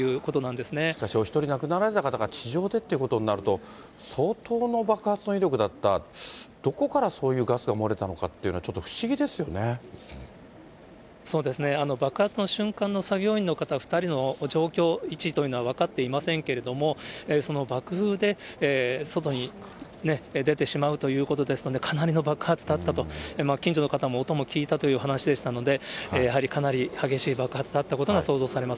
しかし、お１人、亡くなられた方が地上でってことになると、相当の爆発の威力だった、どこからそういうガスが漏れたのかっていうのは、ちょっと不思議ですよ爆発の瞬間の作業員の方２人の状況、位置というのは分かっていませんけれども、その爆風で外に出てしまうということですので、かなりの爆発だったと、近所の方も音も聞いたという話でしたので、やはりかなり激しい爆発だったことが想像されます。